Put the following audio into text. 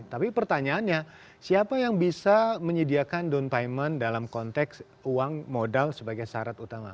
tapi pertanyaannya siapa yang bisa menyediakan down payment dalam konteks uang modal sebagai syarat utama